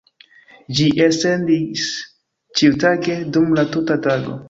Ĝi elsendis ĉiutage, dum la tuta tago.